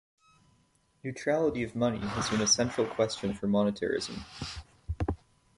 Neutrality of money has been a central question for monetarism.